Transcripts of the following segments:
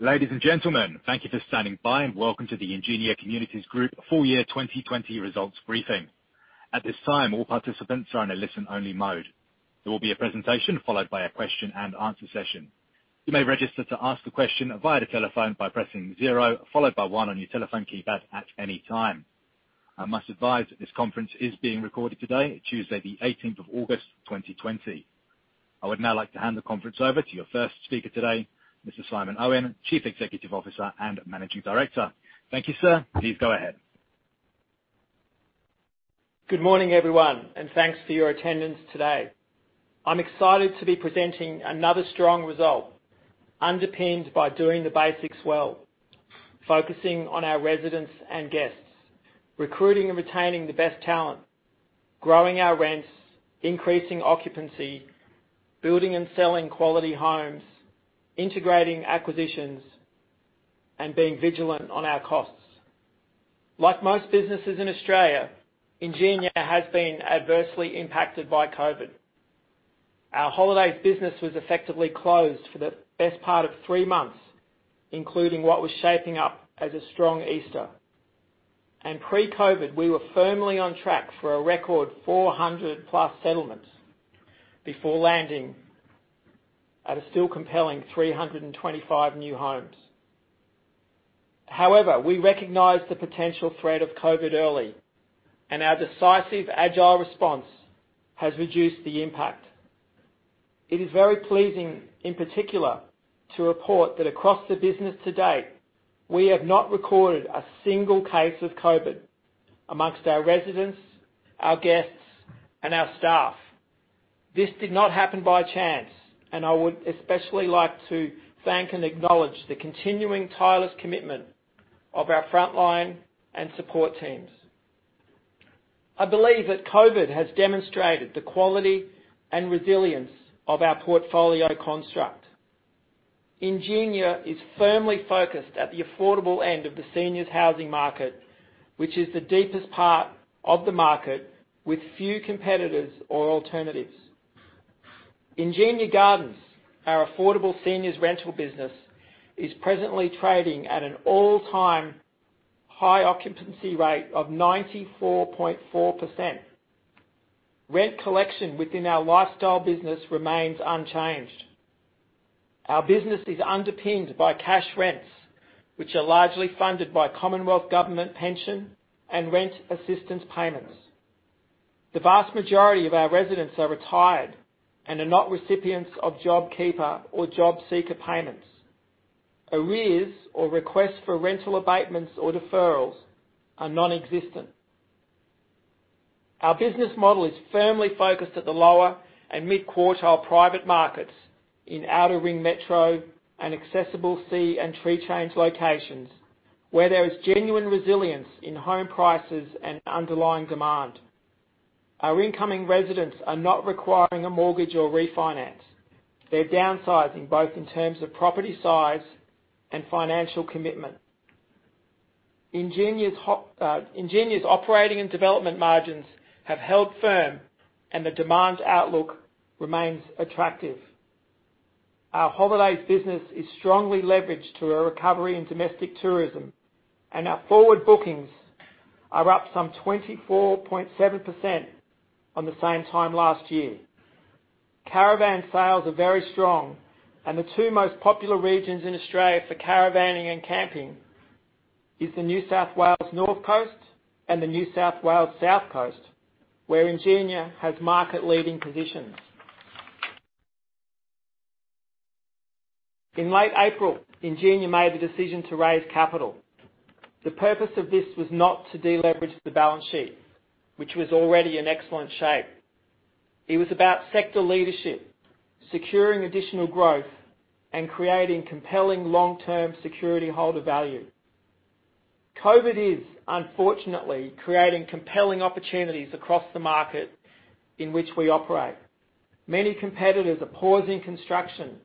Ladies and gentlemen, thank you for standing by, and welcome to the Ingenia Communities Group full year 2020 results briefing. At this time, all participants are in a listen-only mode. There will be a presentation followed by a question and answer session. You may register to ask a question via the telephone by pressing zero followed by one on your telephone keypad at any time. I must advise that this conference is being recorded today, Tuesday August 18th, 2020. I would now like to hand the conference over to your first speaker today, Mr. Simon Owen, Chief Executive Officer and Managing Director. Thank you, sir. Please go ahead. Good morning, everyone, and thanks for your attendance today. I'm excited to be presenting another strong result underpinned by doing the basics well, focusing on our residents and guests, recruiting and retaining the best talent, growing our rents, increasing occupancy, building and selling quality homes, integrating acquisitions, and being vigilant on our costs. Like most businesses in Australia, Ingenia has been adversely impacted by COVID. Our holidays business was effectively closed for the best part of three months, including what was shaping up as a strong Easter. Pre-COVID, we were firmly on track for a record 400-plus settlements before landing at a still compelling 325 new homes. However, we recognized the potential threat of COVID early, and our decisive agile response has reduced the impact. It is very pleasing, in particular, to report that across the business to date, we have not recorded a single case of COVID amongst our residents, our guests, and our staff. This did not happen by chance, and I would especially like to thank and acknowledge the continuing tireless commitment of our front line and support teams. I believe that COVID has demonstrated the quality and resilience of our portfolio construct. Ingenia is firmly focused at the affordable end of the seniors housing market, which is the deepest part of the market, with few competitors or alternatives. Ingenia Gardens, our affordable seniors rental business, is presently trading at an all-time high occupancy rate of 94.4%. Rent collection within our lifestyle business remains unchanged. Our business is underpinned by cash rents, which are largely funded by Commonwealth Government pension and rent assistance payments. The vast majority of our residents are retired and are not recipients of JobKeeper or JobSeeker payments. Arrears or requests for rental abatements or deferrals are nonexistent. Our business model is firmly focused at the lower and mid-quartile private markets in outer ring metro and accessible sea and tree change locations where there is genuine resilience in home prices and underlying demand. Our incoming residents are not requiring a mortgage or refinance. They're downsizing, both in terms of property size and financial commitment. Ingenia's operating and development margins have held firm, and the demand outlook remains attractive. Our holidays business is strongly leveraged to a recovery in domestic tourism, and our forward bookings are up some 24.7% on the same time last year. Caravan sales are very strong, and the two most popular regions in Australia for caravaning and camping is the New South Wales North Coast and the New South Wales South Coast, where Ingenia has market-leading positions. In late April, Ingenia made the decision to raise capital. The purpose of this was not to deleverage the balance sheet, which was already in excellent shape. It was about sector leadership, securing additional growth, and creating compelling long-term security holder value. COVID is, unfortunately, creating compelling opportunities across the market in which we operate. Many competitors are pausing construction,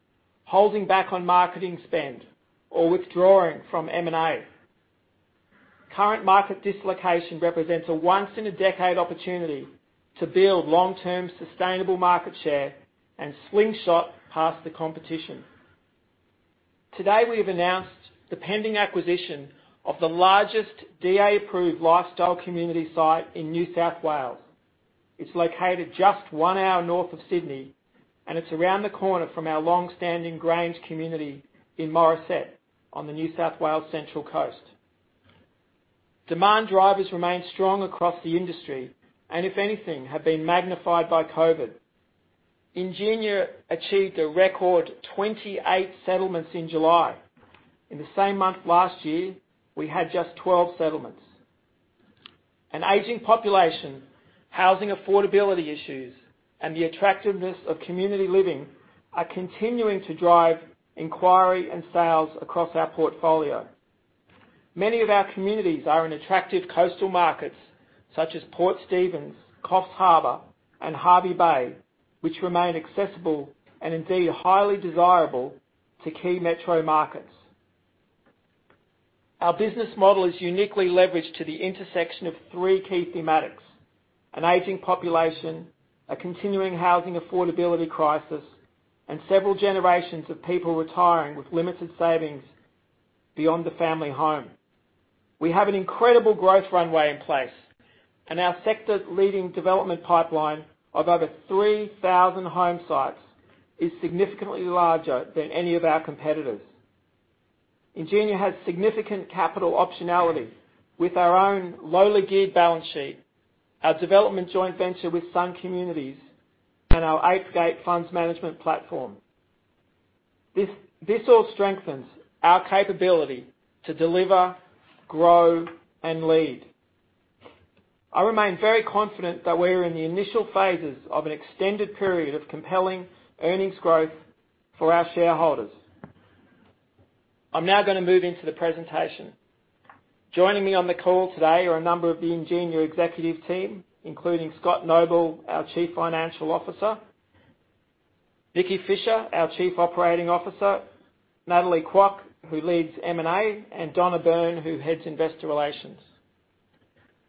holding back on marketing spend, or withdrawing from M&A. Current market dislocation represents a once-in-a-decade opportunity to build long-term sustainable market share and slingshot past the competition. Today, we have announced the pending acquisition of the largest DA-approved lifestyle community site in New South Wales. It's located just one hour north of Sydney, and it's around the corner from our longstanding Grange community in Morisset on the New South Wales Central Coast. Demand drivers remain strong across the industry and, if anything, have been magnified by COVID. Ingenia achieved a record 28 settlements in July. In the same month last year, we had just 12 settlements. An aging population, housing affordability issues, and the attractiveness of community living are continuing to drive inquiry and sales across our portfolio. Many of our communities are in attractive coastal markets, such as Port Stephens, Coffs Harbour, and Hervey Bay, which remain accessible and indeed, highly desirable to key metro markets. Our business model is uniquely leveraged to the intersection of three key thematics: an aging population, a continuing housing affordability crisis, and several generations of people retiring with limited savings beyond the family home. We have an incredible growth runway in place, and our sector-leading development pipeline of over 3,000 home sites is significantly larger than any of our competitors. Ingenia has significant capital optionality with our own lowly geared balance sheet, our development joint venture with Sun Communities, and our Eighth Gate Funds Management platform. This all strengthens our capability to deliver, grow, and lead. I remain very confident that we are in the initial phases of an extended period of compelling earnings growth for our shareholders. I'm now going to move into the presentation. Joining me on the call today are a number of the Ingenia executive team, including Scott Noble, our Chief Financial Officer, Nikki Fisher, our Chief Operating Officer, Natalie Kwok, who leads M&A, and Donna Byrne, who heads investor relations.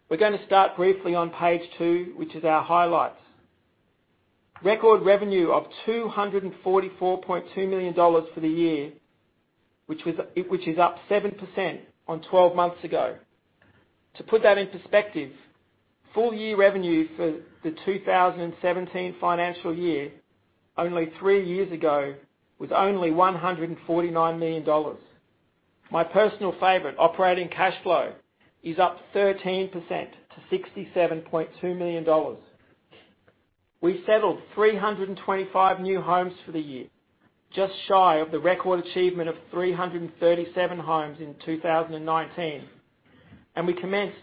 We're going to start briefly on page two, which is our highlights. Record revenue of 244.2 million dollars for the year, which is up 7% on 12 months ago. To put that in perspective, full-year revenue for the 2017 financial year, only three years ago, was only 149 million dollars. My personal favorite, operating cash flow, is up 13% to 67.2 million dollars. We settled 325 new homes for the year, just shy of the record achievement of 337 homes in 2019. We commenced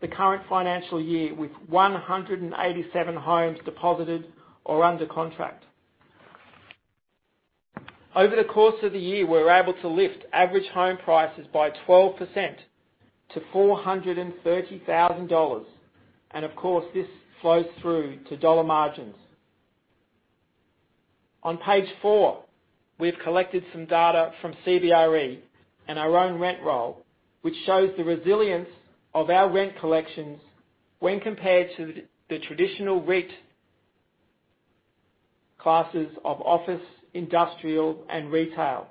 the current financial year with 187 homes deposited or under contract. Over the course of the year, we were able to lift average home prices by 12% to 430,000 dollars, of course, this flows through to dollar margins. On page four, we've collected some data from CBRE and our own rent roll, which shows the resilience of our rent collections when compared to the traditional REIT classes of office, industrial, and retail.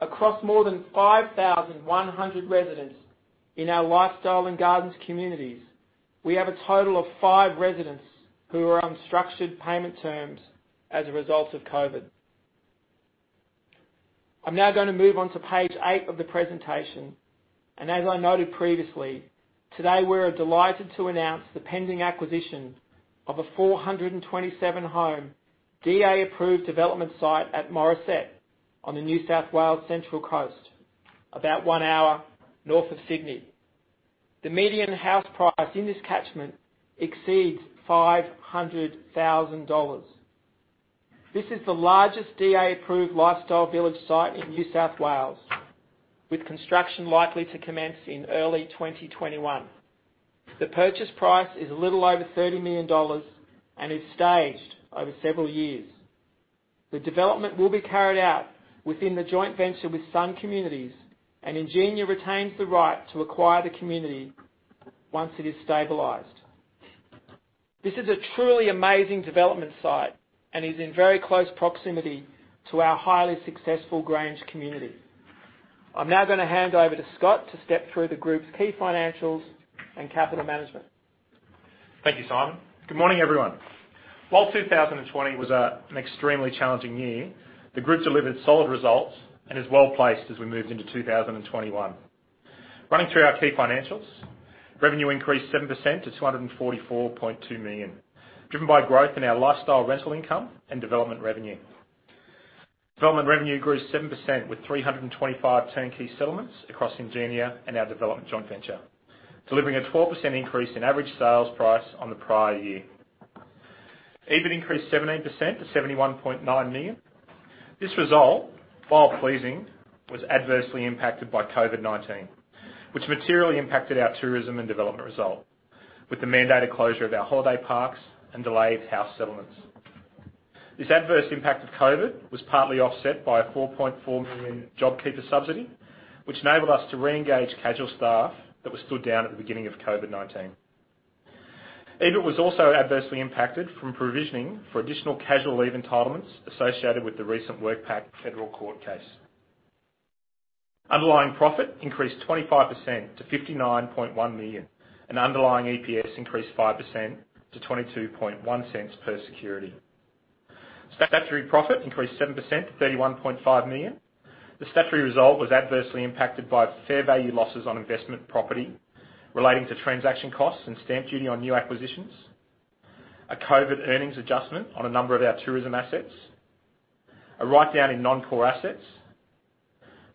Across more than 5,100 residents in our Lifestyle and Gardens communities, we have a total of five residents who are on structured payment terms as a result of COVID. I'm now going to move on to page eight of the presentation. As I noted previously, today, we are delighted to announce the pending acquisition of a 427-home, DA-approved development site at Morisset on the New South Wales Central Coast, about one hour north of Sydney. The median house price in this catchment exceeds 500,000 dollars. This is the largest DA-approved lifestyle village site in New South Wales, with construction likely to commence in early 2021. The purchase price is a little over 30 million dollars and is staged over several years. The development will be carried out within the joint venture with Sun Communities, and Ingenia retains the right to acquire the community once it is stabilized. This is a truly amazing development site and is in very close proximity to our highly successful Grange community. I'm now going to hand over to Scott to step through the group's key financials and capital management. Thank you, Simon. Good morning, everyone. While 2020 was an extremely challenging year, the group delivered solid results and is well-placed as we move into 2021. Running through our key financials, revenue increased 7% to 244.2 million, driven by growth in our lifestyle rental income and development revenue. Development revenue grew 7% with 325 turnkey settlements across Ingenia and our development joint venture, delivering a 12% increase in average sales price on the prior year. EBIT increased 17% to 71.9 million. This result, while pleasing, was adversely impacted by COVID-19, which materially impacted our tourism and development result, with the mandated closure of our holiday parks and delayed house settlements. This adverse impact of COVID was partly offset by an 4.4 million JobKeeper subsidy, which enabled us to re-engage casual staff that were stood down at the beginning of COVID-19. EBIT was also adversely impacted from provisioning for additional casual leave entitlements associated with the recent WorkPac Federal Court case. Underlying profit increased 25% to 59.1 million, and underlying EPS increased 5% to 0.221 per security. Statutory profit increased 7%, 31.5 million. The statutory result was adversely impacted by fair value losses on investment property relating to transaction costs and stamp duty on new acquisitions, a COVID earnings adjustment on a number of our tourism assets, a write-down in non-core assets,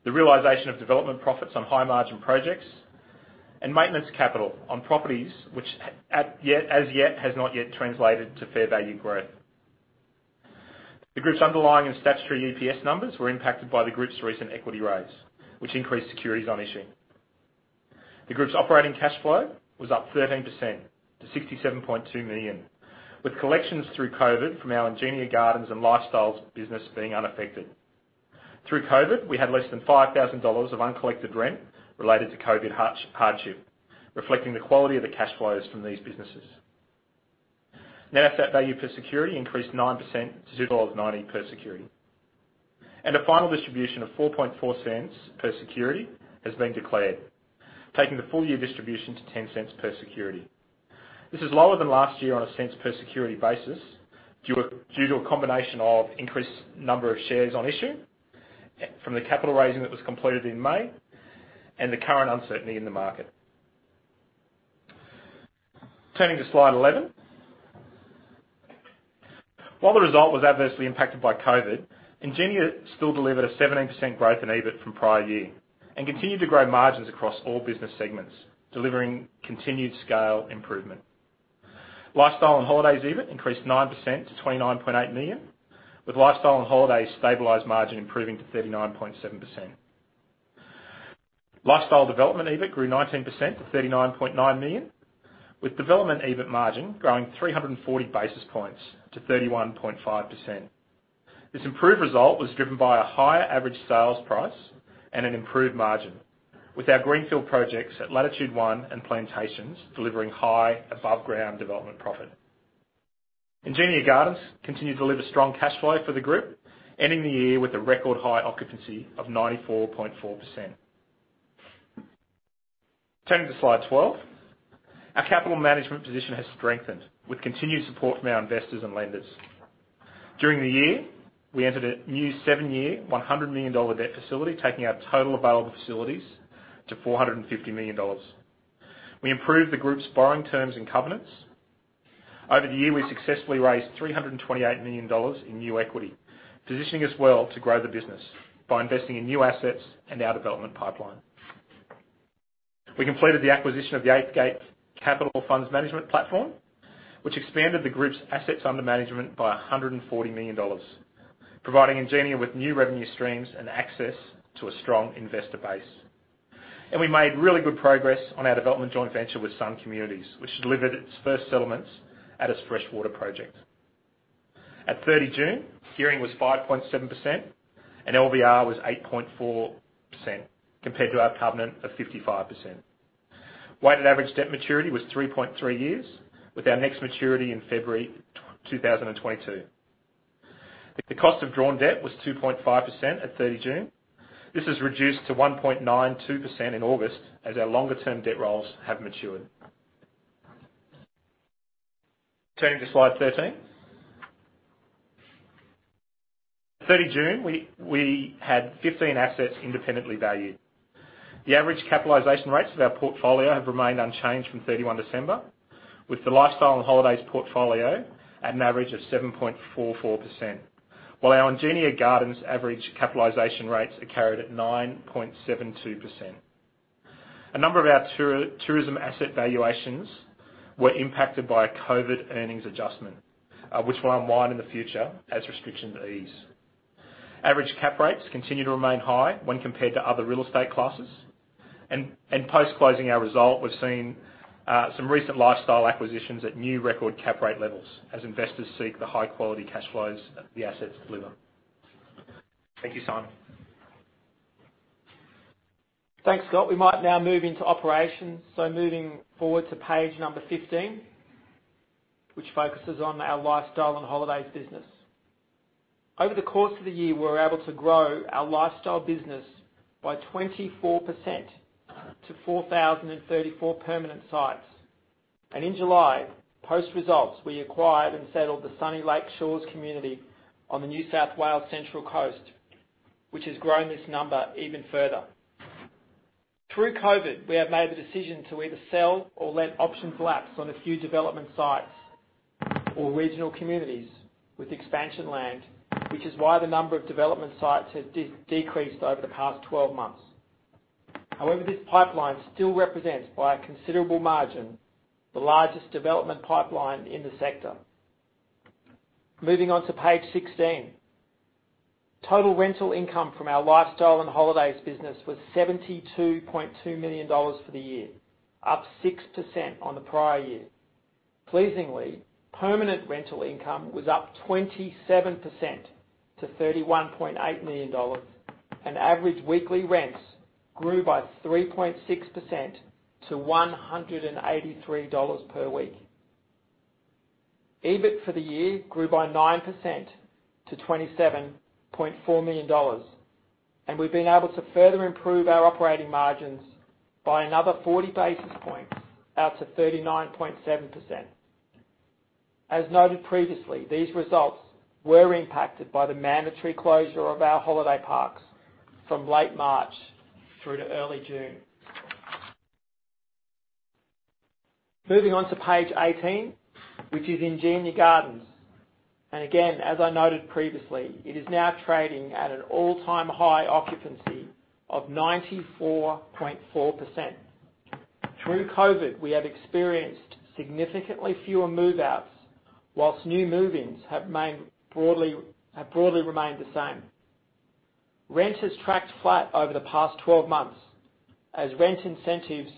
the realization of development profits on high-margin projects, and maintenance capital on properties which as yet has not yet translated to fair value growth. The group's underlying and statutory EPS numbers were impacted by the group's recent equity raise, which increased securities on issue. The group's operating cash flow was up 13% to 67.2 million, with collections through COVID from our Ingenia Gardens and our Lifestyles business being unaffected. Through COVID, we had less than 5,000 dollars of uncollected rent related to COVID hardship, reflecting the quality of the cash flows from these businesses. Net asset value per security increased 9% to 2.90 per security. A final distribution of 0.044 per security has been declared, taking the full year distribution to 0.10 per security. This is lower than last year on a cents per security basis due to a combination of increased number of shares on issue from the capital raising that was completed in May, and the current uncertainty in the market. Turning to slide 11. While the result was adversely impacted by COVID, Ingenia still delivered a 17% growth in EBIT from prior year, and continued to grow margins across all business segments, delivering continued scale improvement. Lifestyle and Holidays EBIT increased 9% to 29.8 million, with Lifestyle and Holidays stabilized margin improving to 39.7%. Lifestyle Development EBIT grew 19% to 39.9 million, with Development EBIT margin growing 340 basis points to 31.5%. This improved result was driven by a higher average sales price and an improved margin with our greenfield projects at Latitude One and Plantations delivering high above-ground development profit. Ingenia Gardens continued to deliver strong cash flow for the group, ending the year with a record high occupancy of 94.4%. Turning to slide 12. Our capital management position has strengthened with continued support from our investors and lenders. During the year, we entered a new seven-year, 100 million dollar debt facility, taking our total available facilities to 450 million dollars. We improved the group's borrowing terms and covenants. Over the year, we successfully raised 328 million dollars in new equity, positioning us well to grow the business by investing in new assets and our development pipeline. We completed the acquisition of the Eighth Gate Capital Funds Management platform, which expanded the group's assets under management by 140 million dollars, providing Ingenia with new revenue streams and access to a strong investor base. We made really good progress on our development joint venture with Sun Communities, which delivered its first settlements at its Freshwater project. At June 30th, gearing was 5.7% and LVR was 8.4% compared to our covenant of 55%. Weighted average debt maturity was 3.3 years with our next maturity in February 2022. The cost of drawn debt was 2.5% at June 30th. This has reduced to 1.92% in August as our longer-term debt rolls have matured. Turning to slide 13. At June 30th, we had 15 assets independently valued. The average capitalization rates of our portfolio have remained unchanged from December 31st, with the Lifestyle and Holidays portfolio at an average of 7.44%, while our Ingenia Gardens average capitalization rates are carried at 9.72%. A number of our tourism asset valuations were impacted by a COVID earnings adjustment, which will unwind in the future as restrictions ease. Average cap rates continue to remain high when compared to other real estate classes. Post-closing our result, we've seen some recent lifestyle acquisitions at new record cap rate levels as investors seek the high-quality cash flows the assets deliver. Thank you, Simon. Thanks, Scott. We might now move into operations, so moving forward to page number 15, which focuses on our Lifestyle and Holidays business. Over the course of the year, we were able to grow our lifestyle business by 24% to 4,034 permanent sites. In July, post results, we acquired and settled the Sunnylake Shores community on the New South Wales Central Coast, which has grown this number even further. Through COVID, we have made the decision to either sell or let options lapse on a few development sites or regional communities with expansion land, which is why the number of development sites has decreased over the past 12 months. This pipeline still represents, by a considerable margin, the largest development pipeline in the sector. Moving on to page 16. Total rental income from our Lifestyle and Holidays business was 72.2 million dollars for the year, up 6% on the prior year. Pleasingly, permanent rental income was up 27% to 31.8 million dollars, and average weekly rents grew by 3.6% to 183 dollars per week. EBIT for the year grew by 9% to 27.4 million dollars. We've been able to further improve our operating margins by another 40 basis points out to 39.7%. As noted previously, these results were impacted by the mandatory closure of our holiday parks from late March through to early June. Moving on to page 18, which is Ingenia Gardens. Again, as I noted previously, it is now trading at an all-time high occupancy of 94.4%. Through COVID, we have experienced significantly fewer move-outs, whilst new move-ins have broadly remained the same. Rent has tracked flat over the past 12 months as rent incentives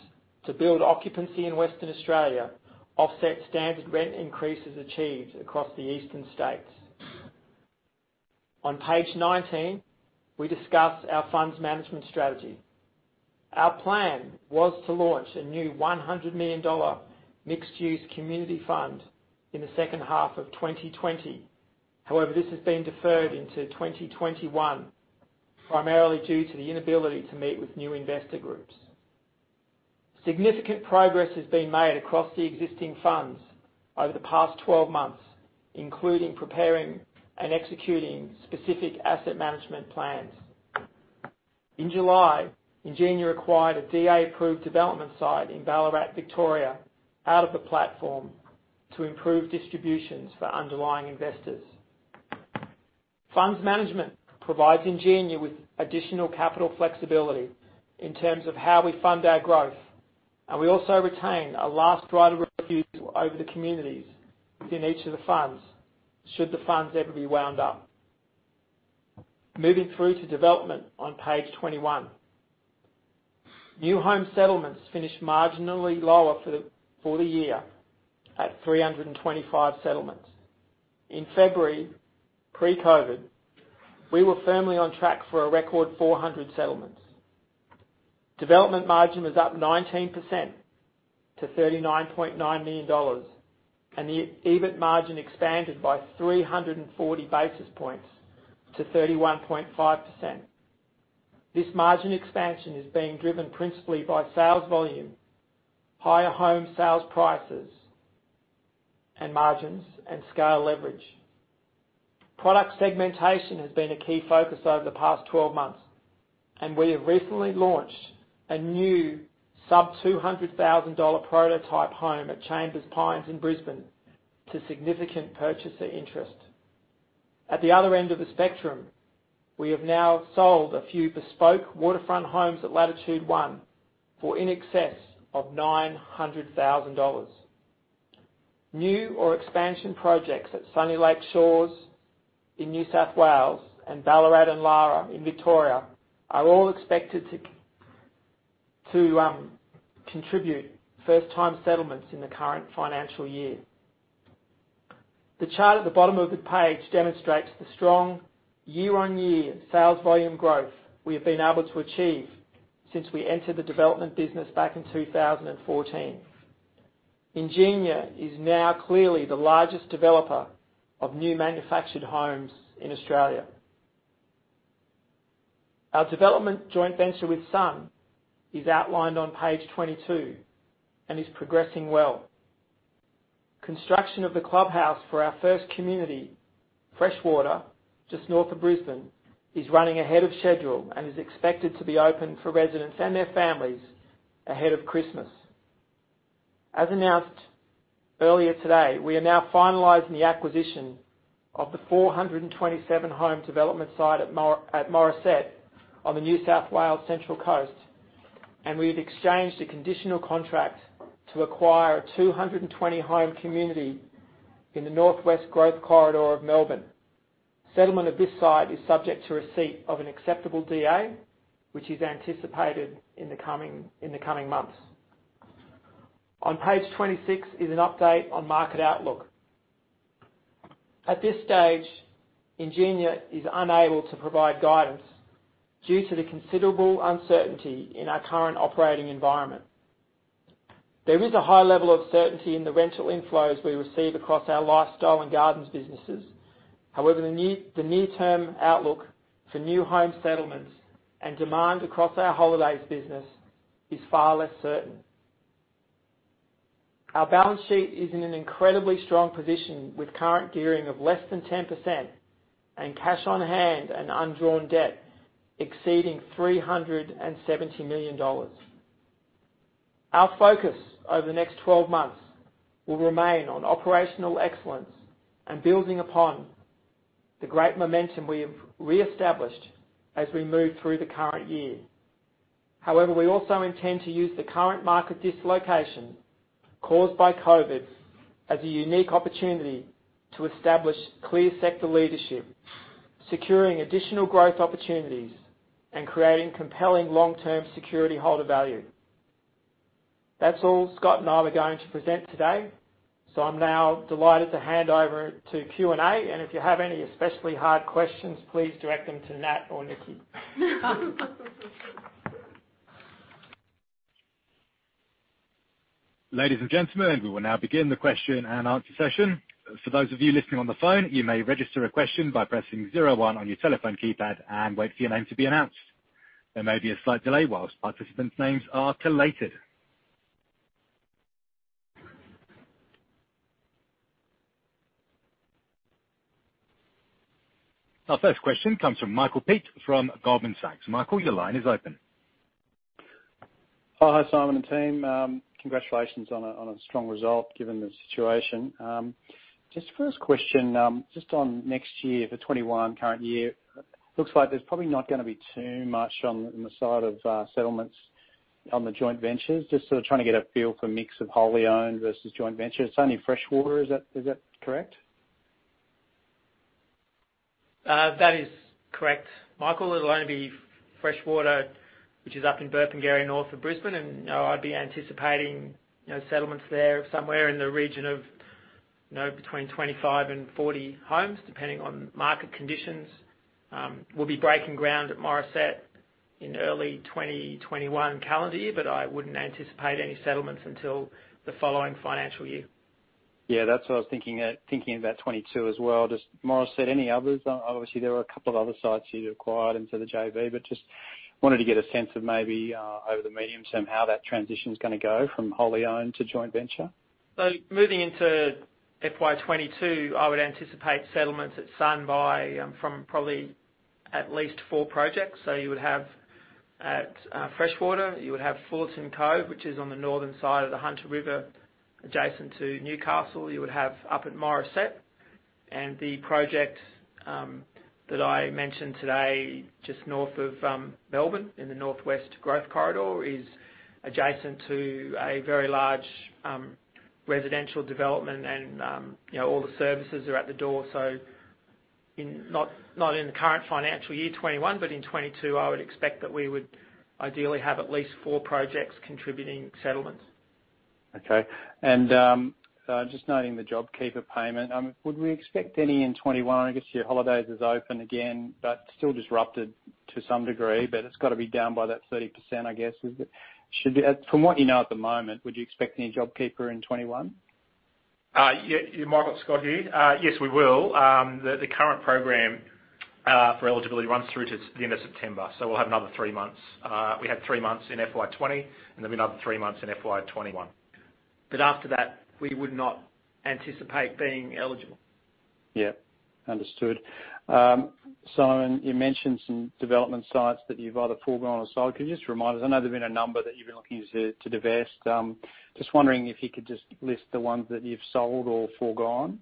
to build occupancy in Western Australia offset standard rent increases achieved across the eastern states. On page 19, we discuss our funds management strategy. Our plan was to launch a new 100 million dollar mixed-use community fund in the second half of 2020. However, this has been deferred into 2021, primarily due to the inability to meet with new investor groups. Significant progress has been made across the existing funds over the past 12 months, including preparing and executing specific asset management plans. In July, Ingenia acquired a DA-approved development site in Ballarat, Victoria, out of the platform to improve distributions for underlying investors. Funds management provides Ingenia with additional capital flexibility in terms of how we fund our growth, and we also retain a last right of refusal over the communities within each of the funds, should the funds ever be wound up. Moving through to development on page 21. New home settlements finished marginally lower for the year at 325 settlements. In February, pre-COVID, we were firmly on track for a record 400 settlements. Development margin was up 19% to 39.9 million dollars, and the EBIT margin expanded by 340 basis points to 31.5%. This margin expansion is being driven principally by sales volume, higher home sales prices, and margins and scale leverage. Product segmentation has been a key focus over the past 12 months, and we have recently launched a new sub-AUD 200,000 prototype home at Chambers Pines in Brisbane to significant purchaser interest. At the other end of the spectrum, we have now sold a few bespoke waterfront homes at Latitude One for in excess of 900,000 dollars. New or expansion projects at Sunnylake Shores in New South Wales and Ballarat and Lara in Victoria are all expected to contribute first-time settlements in the current financial year. The chart at the bottom of the page demonstrates the strong year-on-year sales volume growth we have been able to achieve since we entered the development business back in 2014. Ingenia is now clearly the largest developer of new manufactured homes in Australia. Our development joint venture with Sun is outlined on page 22 and is progressing well. Construction of the clubhouse for our first community, Freshwater, just north of Brisbane, is running ahead of schedule and is expected to be open for residents and their families ahead of Christmas. As announced earlier today, we are now finalizing the acquisition of the 427-home development site at Morisset on the New South Wales Central Coast, and we have exchanged a conditional contract to acquire a 220-home community in the northwest growth corridor of Melbourne. Settlement of this site is subject to receipt of an acceptable DA, which is anticipated in the coming months. On page 26 is an update on market outlook. At this stage, Ingenia is unable to provide guidance due to the considerable uncertainty in our current operating environment. There is a high level of certainty in the rental inflows we receive across our Lifestyle and Gardens businesses. However, the near-term outlook for new home settlements and demand across our Holidays business is far less certain. Our balance sheet is in an incredibly strong position with current gearing of less than 10% and cash on hand and undrawn debt exceeding 370 million dollars. Our focus over the next 12 months will remain on operational excellence and building upon the great momentum we have reestablished as we move through the current year. However, we also intend to use the current market dislocation caused by COVID as a unique opportunity to establish clear sector leadership, securing additional growth opportunities, and creating compelling long-term security holder value. That's all Scott and I are going to present today, so I'm now delighted to hand over to Q&A. If you have any especially hard questions, please direct them to Nat or Nikki. Ladies and gentlemen, we will now begin the question and answer session. For those of you listening on the phone, you may register a question by pressing zero one on your telephone keypad and wait for your name to be announced. There may be a slight delay while participants' names are collated. Our first question comes from Michael Peet from Goldman Sachs. Michael, your line is open. Hi, Simon and team. Congratulations on a strong result given the situation. First question, on next year for 2021, current year, looks like there's probably not going to be too much on the side of settlements. On the joint ventures. Sort of trying to get a feel for mix of wholly owned versus joint ventures. It's only freshwater, is that correct? That is correct, Michael. It'll only be freshwater, which is up in Burpengary, north of Brisbane, and I'd be anticipating settlements there somewhere in the region of between 25 and 40 homes, depending on market conditions. We'll be breaking ground at Morisset in early 2021 calendar year, but I wouldn't anticipate any settlements until the following financial year. Yeah. That's what I was thinking, about 22 as well. Just Morisset. Any others? There were a couple of other sites you'd acquired into the JV, but just wanted to get a sense of maybe over the medium term, how that transition's gonna go from wholly owned to joint venture. Moving into FY 2022, I would anticipate settlements at Sun JV from probably at least four projects. You would have at Freshwater, you would have Fullerton Cove, which is on the northern side of the Hunter River, adjacent to Newcastle. You would have up at Morisset, and the project that I mentioned today, just north of Melbourne in the northwest growth corridor is adjacent to a very large residential development, and all the services are at the door. Not in the current financial year 2021, but in 2022, I would expect that we would ideally have at least four projects contributing settlements. Okay. Just noting the JobKeeper payment, would we expect any in 21? I guess your Holidays is open again, but still disrupted to some degree, but it's got to be down by that 30%, I guess. From what you know at the moment, would you expect any JobKeeper in 21? Michael, it's Scott here. Yes, we will. The current program for eligibility runs through to the end of September, so we'll have another three months. We had three months in FY 2020, and there'll be another three months in FY 2021. After that, we would not anticipate being eligible. Yeah. Understood. Simon, you mentioned some development sites that you've either forgone or sold. Can you just remind us? I know there've been a number that you've been looking to divest. Just wondering if you could just list the ones that you've sold or foregone.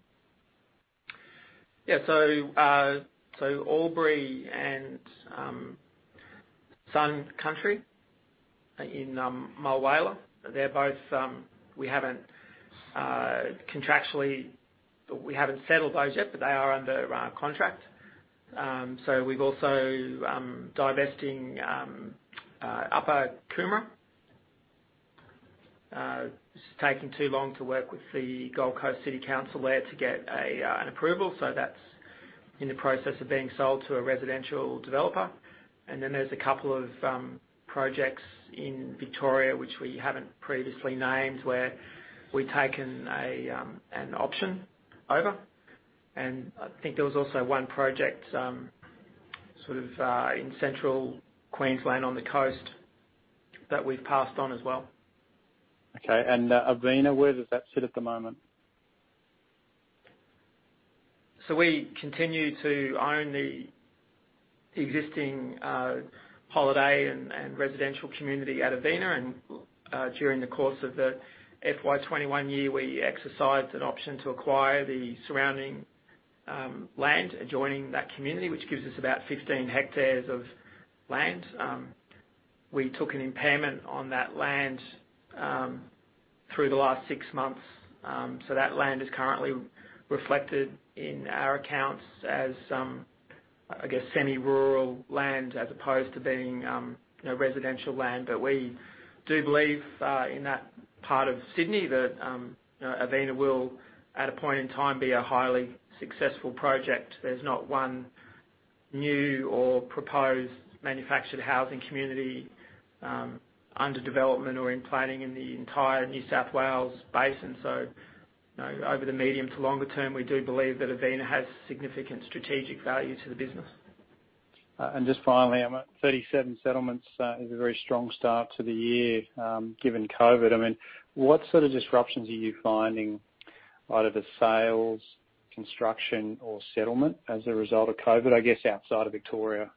Yeah. Albury and Sun Country in Mulwala. We haven't settled those yet, but they are under contract. We're also divesting Upper Coomera. It's taking too long to work with the Gold Coast City Council there to get an approval, so that's in the process of being sold to a residential developer. There's a couple of projects in Victoria, which we haven't previously named, where we've taken an option over. I think there was also one project sort of in Central Queensland on the coast that we've passed on as well. Okay. Avina, where does that sit at the moment? We continue to own the existing holiday and residential community at Avina, and during the course of the FY 2021 year, we exercised an option to acquire the surrounding land adjoining that community, which gives us about 15 hectares of land. We took an impairment on that land through the last six months. That land is currently reflected in our accounts as, I guess, semi-rural land as opposed to being residential land. We do believe, in that part of Sydney, that Avina will, at a point in time, be a highly successful project. There's not one new or proposed manufactured housing community under development or in planning in the entire Sydney Basin. Over the medium to longer term, we do believe that Avina has significant strategic value to the business. Just finally, 37 settlements is a very strong start to the year, given COVID. I mean, what sort of disruptions are you finding out of the sales, construction, or settlement as a result of COVID, I guess, outside of Victoria?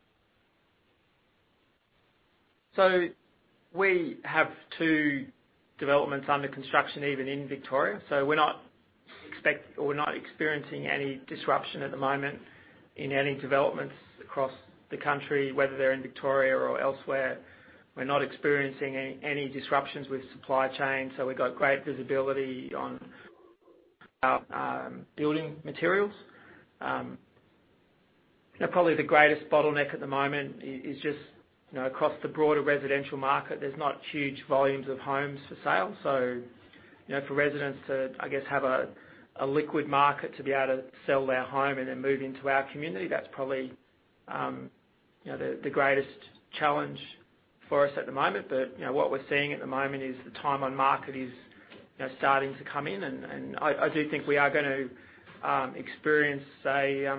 We have two developments under construction even in Victoria. We're not experiencing any disruption at the moment in any developments across the country, whether they're in Victoria or elsewhere. We're not experiencing any disruptions with supply chain, so we've got great visibility on our building materials. Probably the greatest bottleneck at the moment is just across the broader residential market. There's not huge volumes of homes for sale. For residents to have a liquid market to be able to sell their home and then move into our community, that's probably the greatest challenge for us at the moment. What we're seeing at the moment is the time on market is starting to come in, and I do think we are going to experience a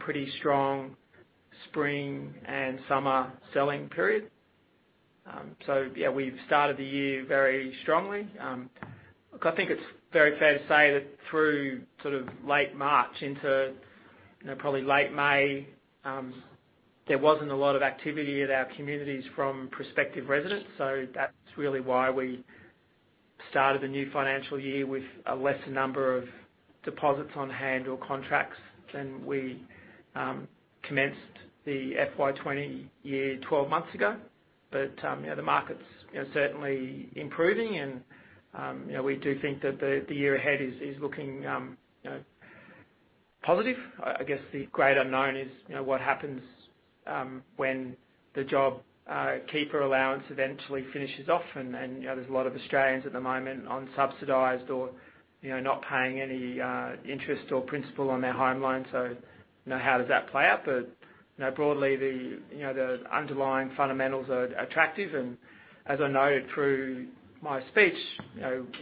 pretty strong spring and summer selling period. We've started the year very strongly. I think it's very fair to say that through late March into probably late May, there wasn't a lot of activity at our communities from prospective residents. That's really why we started the new financial year with a lesser number of deposits on hand or contracts than we commenced the FY 2020 year 12 months ago. The market's certainly improving and we do think that the year ahead is looking positive. I guess the great unknown is what happens when the JobKeeper allowance eventually finishes off and there's a lot of Australians at the moment on subsidized or not paying any interest or principal on their home loan. How does that play out? Broadly, the underlying fundamentals are attractive and as I noted through my speech,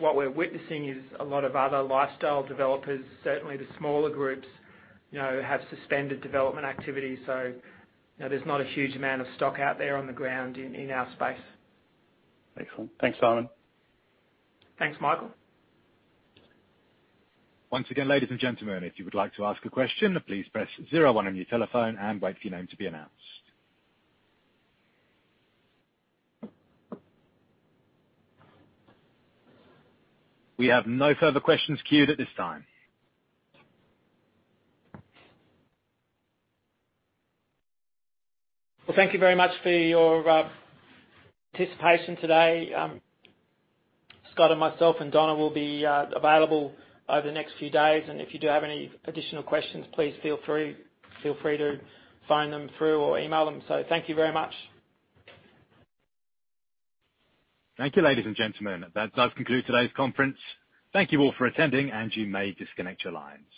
what we're witnessing is a lot of other lifestyle developers, certainly the smaller groups, have suspended development activities. There's not a huge amount of stock out there on the ground in our space. Excellent. Thanks, Simon. Thanks, Michael. Once again, ladies and gentlemen, if you would like to ask a question, please press zero one on your telephone and wait for your name to be announced. We have no further questions queued at this time. Thank you very much for your participation today. Scott and myself and Donna will be available over the next few days, and if you do have any additional questions, please feel free to phone them through or email them. Thank you very much. Thank you, ladies and gentlemen. That does conclude today's conference. Thank you all for attending, and you may disconnect your lines.